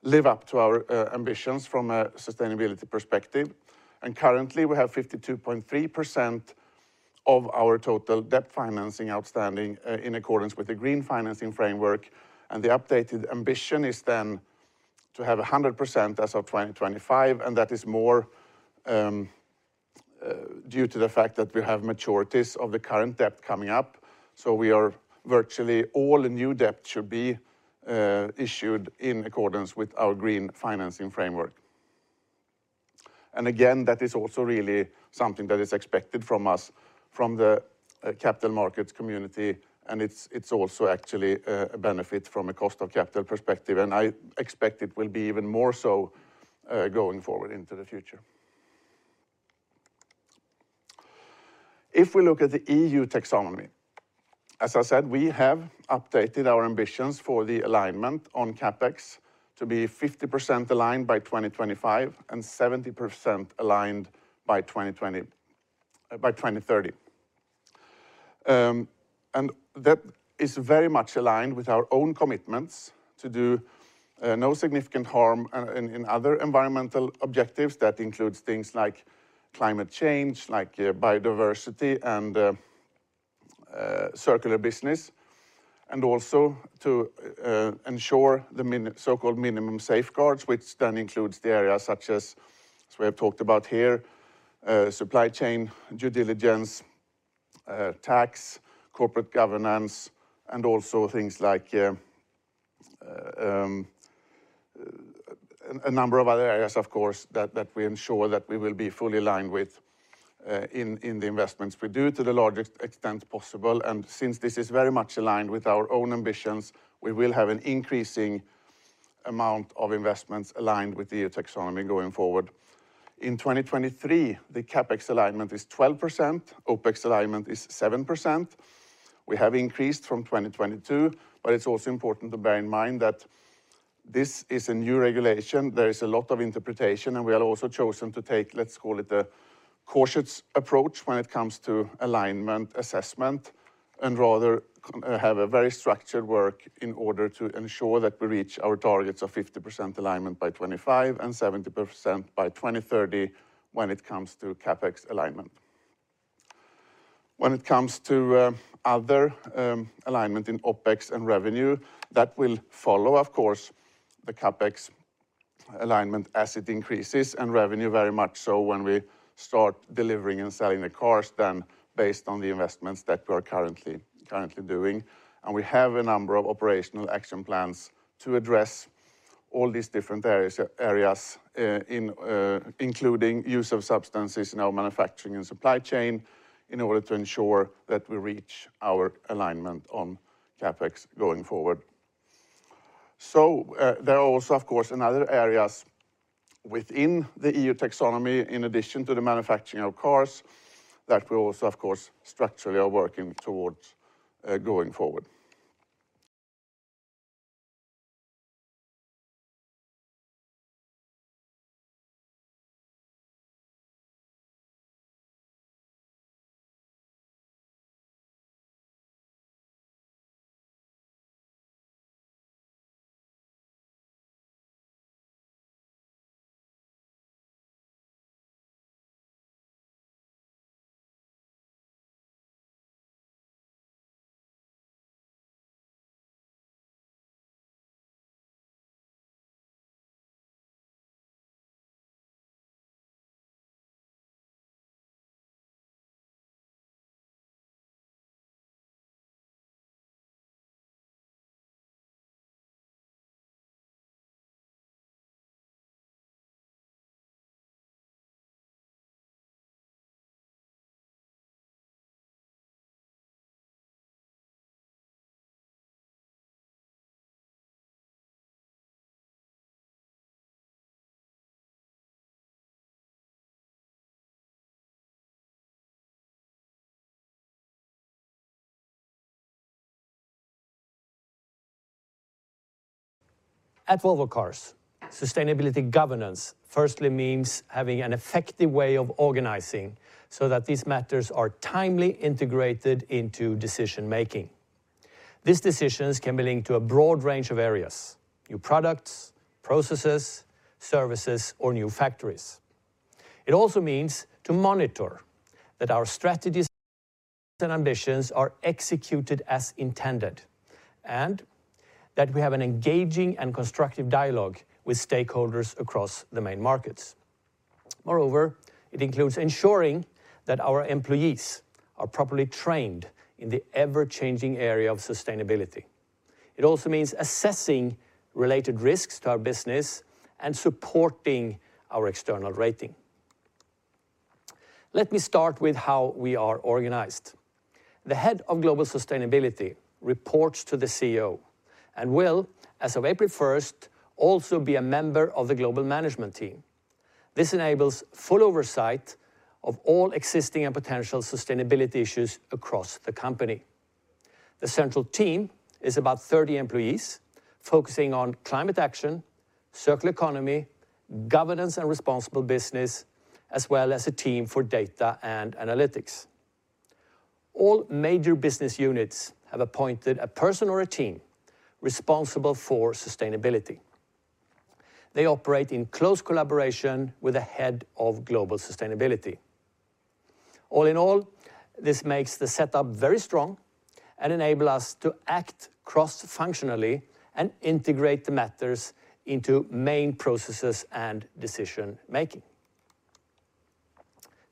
live up to our ambitions from a sustainability perspective. Currently, we have 52.3% of our total debt financing outstanding in accordance with the green financing framework, the updated ambition is then to have 100% as of 2025, and that is more due to the fact that we have maturities of the current debt coming up. Virtually all new debt should be issued in accordance with our green financing framework. Again, that is also really something that is expected from us, from the capital markets community, and it's also actually a benefit from a cost of capital perspective, and I expect it will be even more so going forward into the future. If we look at the EU Taxonomy, as I said, we have updated our ambitions for the alignment on CapEx to be 50% aligned by 2025 and 70% aligned by 2030. That is very much aligned with our own commitments to do no significant harm in other environmental objectives. That includes things like climate change, like biodiversity and circular business, and also to ensure the so-called minimum safeguards, which then includes the areas such as we have talked about here, supply chain due diligence, tax, corporate governance, and also things like a number of other areas, of course, that we ensure that we will be fully aligned with in the investments we do to the largest extent possible. Since this is very much aligned with our own ambitions, we will have an increasing amount of investments aligned with the EU Taxonomy going forward. In 2023, the CapEx alignment is 12%, OpEx alignment is 7%. We have increased from 2022, but it's also important to bear in mind that this is a new regulation. There is a lot of interpretation. We have also chosen to take, let's call it, a cautious approach when it comes to alignment assessment, and rather have a very structured work in order to ensure that we reach our targets of 50% alignment by 2025 and 70% by 2030 when it comes to CapEx alignment. When it comes to other alignment in OpEx and revenue, that will follow, of course, the CapEx alignment as it increases, and revenue very much so when we start delivering and selling the cars then based on the investments that we're currently doing. We have a number of operational action plans to address all these different areas, including use of substances in our manufacturing and supply chain in order to ensure that we reach our alignment on CapEx going forward. There are also, of course, in other areas within the EU Taxonomy, in addition to the manufacturing of cars, that we also, of course, structurally are working towards going forward. At Volvo Cars, sustainability governance firstly means having an effective way of organizing so that these matters are timely integrated into decision-making. These decisions can be linked to a broad range of areas, new products, processes, services, or new factories. It also means to monitor that our strategies and ambitions are executed as intended, and that we have an engaging and constructive dialogue with stakeholders across the main markets. Moreover, it includes ensuring that our employees are properly trained in the ever-changing area of sustainability. It also means assessing related risks to our business and supporting our external rating. Let me start with how we are organized. The Head of Global Sustainability reports to the CEO and will, as of April 1st, also be a member of the Global Management Team. This enables full oversight of all existing and potential sustainability issues across the company. The central team is about 30 employees focusing on climate action, circular economy, governance, and responsible business, as well as a team for data and analytics. All major business units have appointed a person or a team responsible for sustainability. They operate in close collaboration with the head of global sustainability. All in all, this makes the setup very strong and enable us to act cross-functionally and integrate the matters into main processes and decision-making.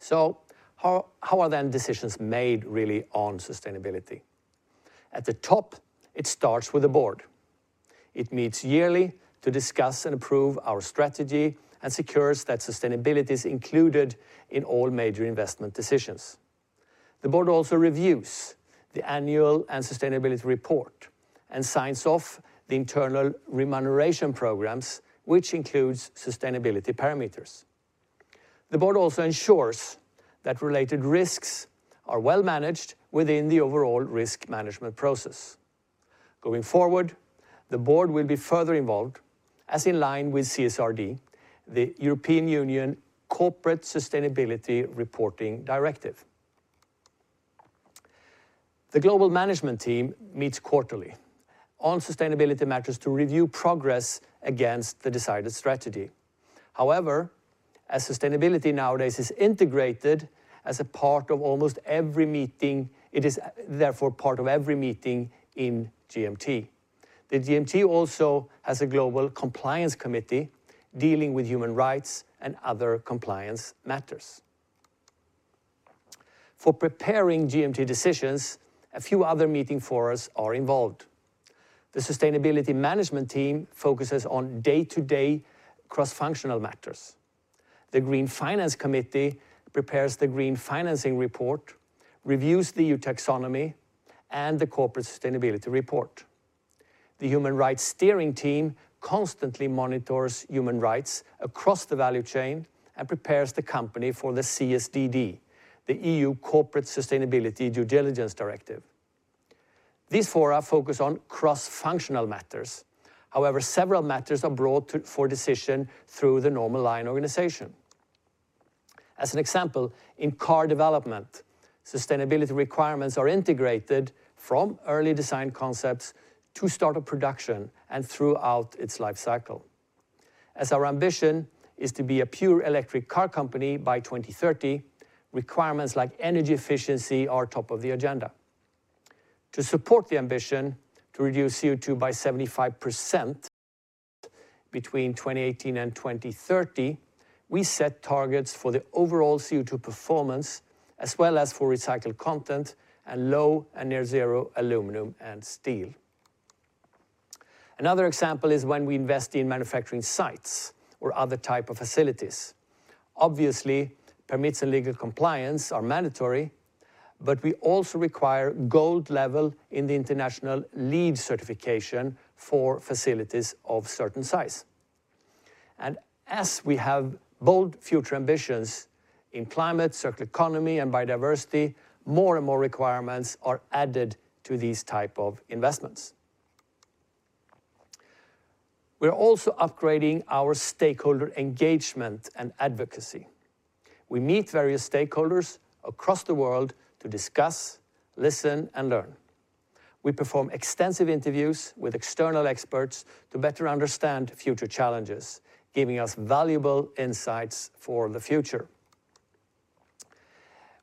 How are then decisions made really on sustainability? At the top, it starts with the board. It meets yearly to discuss and approve our strategy and secures that sustainability is included in all major investment decisions. The board also reviews the annual and Sustainability Report and signs off the internal remuneration programs, which includes sustainability parameters. The board also ensures that related risks are well managed within the overall risk management process. Going forward, the board will be further involved, as in line with CSRD, the European Union Corporate Sustainability Reporting Directive. The global management team meets quarterly on sustainability matters to review progress against the decided strategy. As sustainability nowadays is integrated as a part of almost every meeting, it is therefore part of every meeting in GMT. The GMT also has a global compliance committee dealing with human rights and other compliance matters. For preparing GMT decisions, a few other meeting forums are involved. The sustainability management team focuses on day-to-day cross-functional matters. The Green Finance Committee prepares the green financing report, reviews the EU Taxonomy, and the corporate sustainability report. The human rights steering team constantly monitors human rights across the value chain and prepares the company for the CSDDD, the EU Corporate Sustainability Due Diligence Directive. These fora focus on cross-functional matters. However, several matters are brought for decision through the normal line organization. As an example, in car development, sustainability requirements are integrated from early design concepts to start of production and throughout its life cycle. Our ambition is to be a pure electric car company by 2030, requirements like energy efficiency are top of the agenda. To support the ambition to reduce CO2 by 75% between 2018 and 2030, we set targets for the overall CO2 performance, as well as for recycled content and low and near-zero aluminum and steel. Another example is when we invest in manufacturing sites or other type of facilities. Obviously, permits and legal compliance are mandatory, we also require gold level in the international LEED certification for facilities of a certain size. As we have bold future ambitions in climate, circular economy, and biodiversity, more and more requirements are added to these type of investments. We're also upgrading our stakeholder engagement and advocacy. We meet various stakeholders across the world to discuss, listen, and learn. We perform extensive interviews with external experts to better understand future challenges, giving us valuable insights for the future.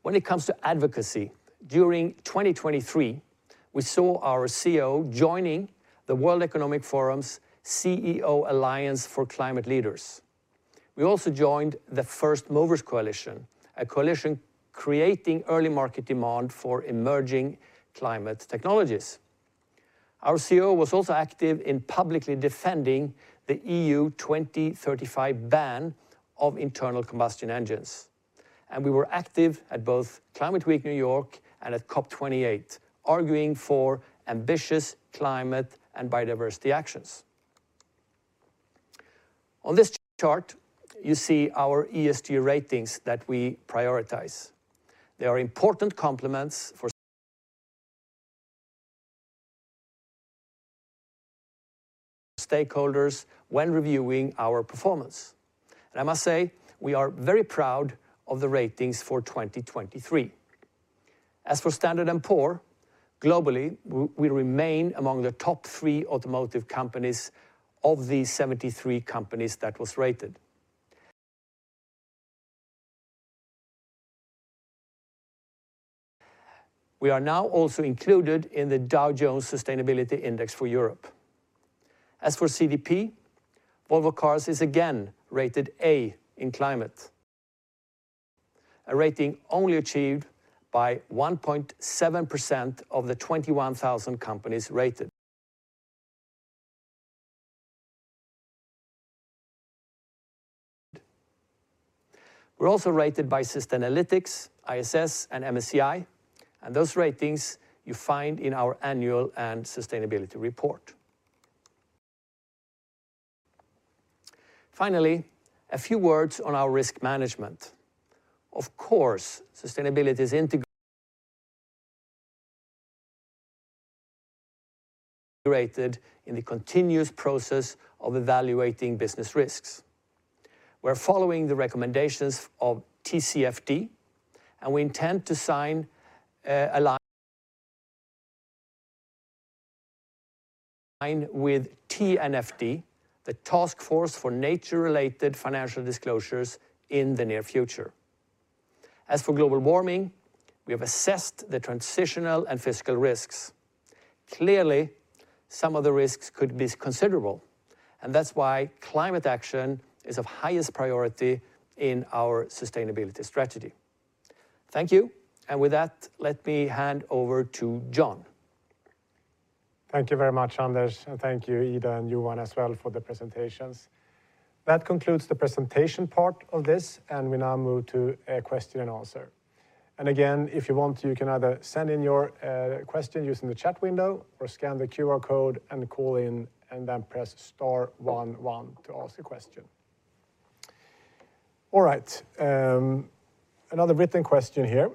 When it comes to advocacy, during 2023, we saw our CEO joining the World Economic Forum's Alliance of CEO Climate Leaders. We also joined the First Movers Coalition, a coalition creating early market demand for emerging climate technologies. Our CEO was also active in publicly defending the EU 2035 ban of internal combustion engines. We were active at both Climate Week NYC and at COP28, arguing for ambitious climate and biodiversity actions. On this chart, you see our ESG ratings that we prioritize. They are important complements for stakeholders when reviewing our performance. I must say, we are very proud of the ratings for 2023. As for Standard & Poor's, globally, we remain among the top three automotive companies of the 73 companies that was rated. We are now also included in the Dow Jones Sustainability Index for Europe. As for CDP, Volvo Cars is again rated A in climate, a rating only achieved by 1.7% of the 21,000 companies rated. We're also rated by Sustainalytics, ISS, and MSCI, and those ratings you find in our annual and sustainability report. Finally, a few words on our risk management. Of course, sustainability is integrated in the continuous process of evaluating business risks. We're following the recommendations of TCFD, and we intend to sign, with TNFD, the Taskforce on Nature-related Financial Disclosures, in the near future. As for global warming, we have assessed the transitional and physical risks. Clearly, some of the risks could be considerable, and that's why climate action is of highest priority in our sustainability strategy. Thank you. With that, let me hand over to John. Thank you very much, Anders. Thank you, Ida and Johan as well for the presentations. That concludes the presentation part of this. We now move to a question and answer. Again, if you want to, you can either send in your question using the chat window or scan the QR code and call in and then press star one one to ask a question. All right. Another written question here.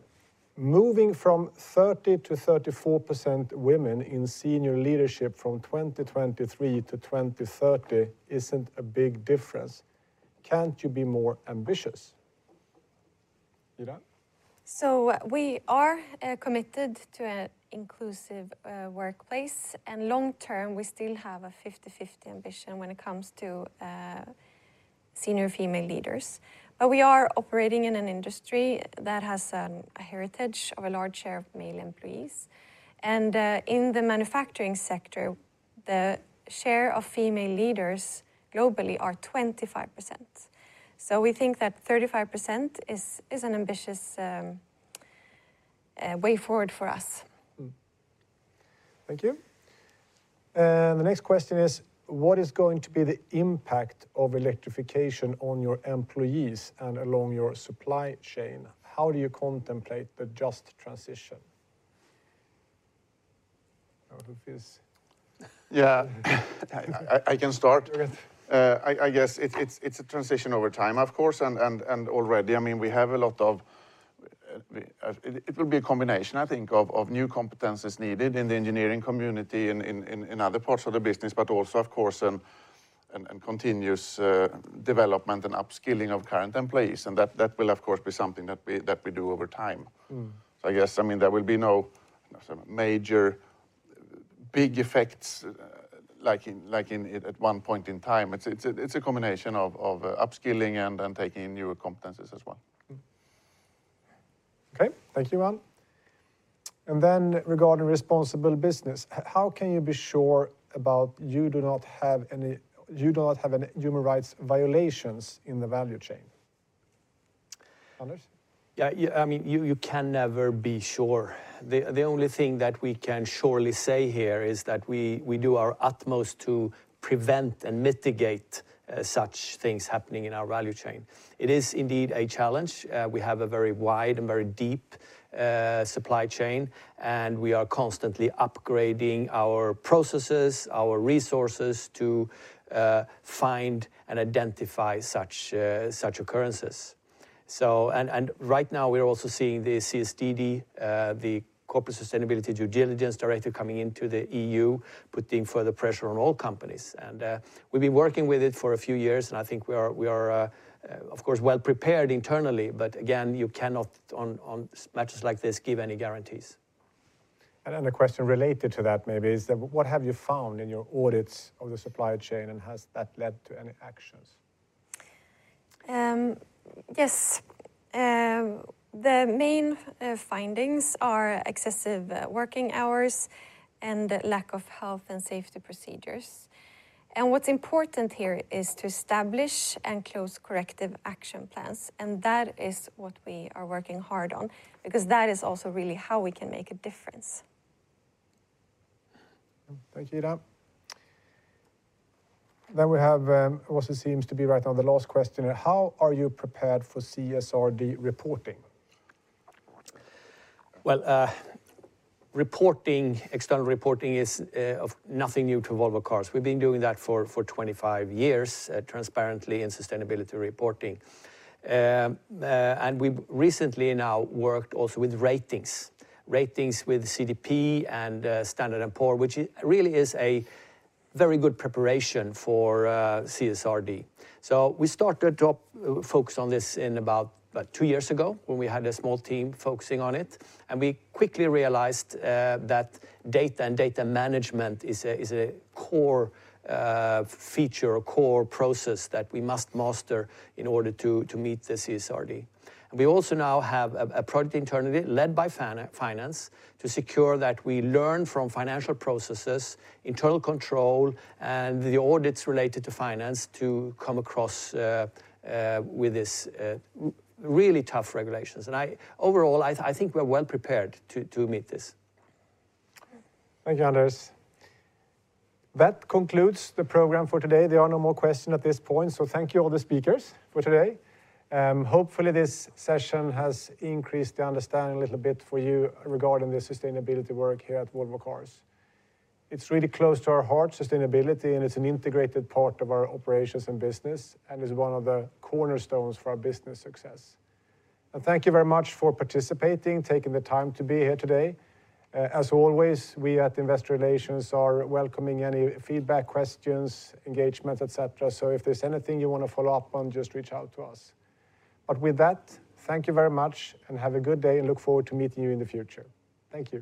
Moving from 30%-34% women in senior leadership from 2023 to 2030 isn't a big difference. Can't you be more ambitious? Ida? We are committed to an inclusive workplace, and long term, we still have a 50/50 ambition when it comes to senior female leaders. We are operating in an industry that has a heritage of a large share of male employees. In the manufacturing sector, the share of female leaders globally are 25%. We think that 35% is an ambitious way forward for us. Thank you. The next question is, what is going to be the impact of electrification on your employees and along your supply chain? How do you contemplate the just transition? Yeah. I can start. Okay. I guess it's a transition over time, of course. Already, it will be a combination, I think, of new competencies needed in the engineering community and in other parts of the business, but also, of course, in continuous development and upskilling of current employees. That will, of course, be something that we do over time. I guess there will be no major big effects like at one point in time. It's a combination of upskilling and taking new competencies as well. Okay. Thank you, Johan. Regarding responsible business, how can you be sure about you do not have any human rights violations in the value chain? Anders? Yeah. You can never be sure. The only thing that we can surely say here is that we do our utmost to prevent and mitigate such things happening in our value chain. It is indeed a challenge. We have a very wide and very deep supply chain, and we are constantly upgrading our processes, our resources, to find and identify such occurrences. Right now, we're also seeing the CSDDD, the Corporate Sustainability Due Diligence Directive, coming into the EU, putting further pressure on all companies. We've been working with it for a few years, and I think we are of course well-prepared internally, but again, you cannot, on matters like this, give any guarantees. The question related to that maybe is that what have you found in your audits of the supply chain, and has that led to any actions? Yes. The main findings are excessive working hours and lack of health and safety procedures. What's important here is to establish and close corrective action plans, and that is what we are working hard on because that is also really how we can make a difference. Thank you, Ida. We have what seems to be right now the last question. How are you prepared for CSRD reporting? External reporting is nothing new to Volvo Cars. We've been doing that for 25 years, transparently in sustainability reporting. We've recently now worked also with ratings. Ratings with CDP and Standard & Poor's, which really is a very good preparation for CSRD. We started to focus on this about two years ago when we had a small team focusing on it. We quickly realized that data and data management is a core feature or core process that we must master in order to meet the CSRD. We also now have a project internally led by finance to secure that we learn from financial processes, internal control, and the audits related to finance to come across with these really tough regulations. Overall, I think we're well-prepared to meet this. Thank you, Anders. That concludes the program for today. There are no more questions at this point. Thank you all the speakers for today. Hopefully, this session has increased the understanding a little bit for you regarding the sustainability work here at Volvo Cars. It's really close to our heart, sustainability, and it's an integrated part of our operations and business and is one of the cornerstones for our business success. Thank you very much for participating, taking the time to be here today. As always, we at Investor Relations are welcoming any feedback, questions, engagement, et cetera. If there's anything you want to follow up on, just reach out to us. With that, thank you very much and have a good day and look forward to meeting you in the future. Thank you